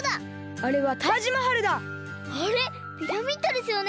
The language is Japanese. あれピラミッドですよね！？